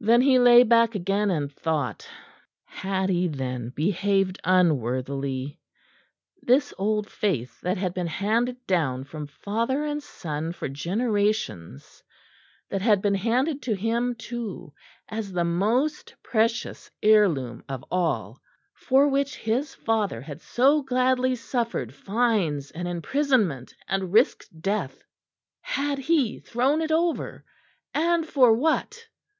Then he lay back again, and thought. Had he then behaved unworthily? This old Faith that had been handed down from father and son for generations; that had been handed to him too as the most precious heirloom of all for which his father had so gladly suffered fines and imprisonment, and risked death he had thrown it over, and for what?